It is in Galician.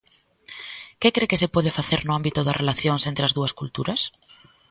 Que cre que se pode facer no ámbito das relacións entre as dúas culturas?